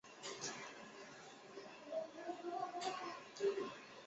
期外收缩包括心房期外收缩及。